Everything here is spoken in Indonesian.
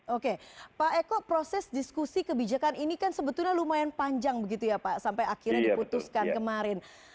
oke pak eko proses diskusi kebijakan ini kan sebetulnya lumayan panjang begitu ya pak sampai akhirnya diputuskan kemarin